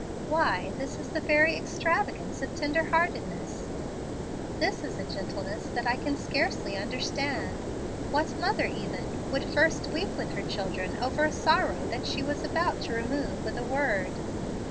Why, this is the very extravagance of tender heartedness. This is a gentleness that I can scarcely understand. What mother, even, would first weep with her children over a sorrow that she was about to remove with a word!